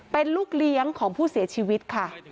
เป็นลูกเลี้ยงของผู้เสียชีวิตค่ะ